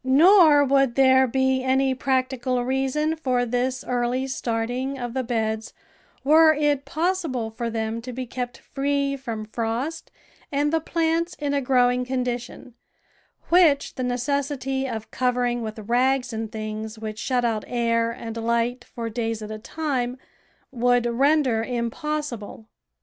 Nor would there be any practical reason for this early starting of the beds were it possible for them to be kept free from frost and the plants in a growing condition, which the necessity of covering with rags and things which shut out air and light for days at a time, would render impossible.